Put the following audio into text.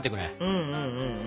うんうんうん。